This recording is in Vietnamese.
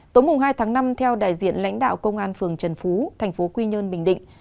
tối hai tháng năm theo đại diện lãnh đạo công an phường trần phú tp quy nhơn bình định